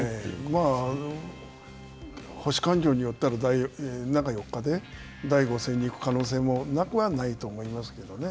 まあ、星勘定によったら、中４日で、第５戦にいく可能性もなくはないと思いますけどね。